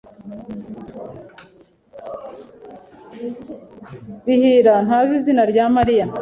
Bihira ntazi izina rya Mariya.